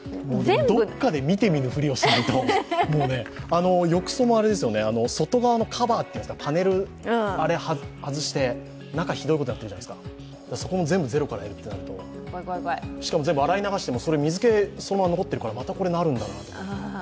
どっかで見て見ぬフリをしないと、もうね、浴槽も外側のカバーっていうかパネル外して中ひどいことになってるじゃないですか、あそこ全部ゼロからやるとなるとしかも全部、洗い流しても、水けが残ってるから、またなるんだろうなと。